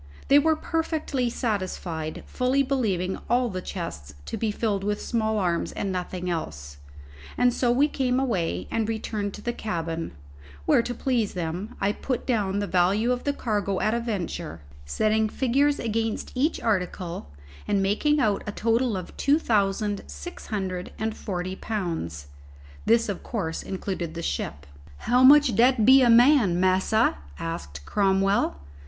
They were perfectly satisfied, fully believing all the chests to be filled with small arms and nothing else, and so we came away and returned to the cabin, where, to please them, I put down the value of the cargo at a venture, setting figures against each article, and making out a total of two thousand six hundred and forty pounds. This of course included the ship. "How much'll dat be a man, massa?" asked Cromwell.